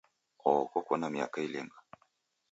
Oho koko na miaka ilinga?